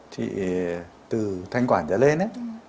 thì từ thanh quản ra lên